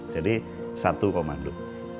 jadi satu komando